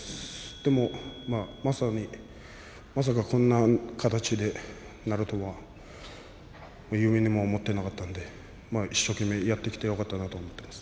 でも、まさかこんな形でなるとは夢にも思ってなかったので一生懸命やってきてよかったなと思います。